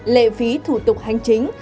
lệ phí thủ tục hành chính